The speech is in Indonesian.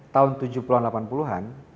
tahun tujuh puluh an delapan puluh an